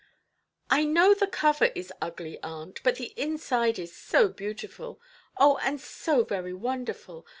"I know the cover is ugly, aunt, but the inside is so beautiful. Oh, and so very wonderful!